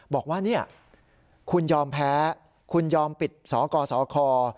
บอกว่าคุณยอมแพ้คุณยอมปิดสกสคร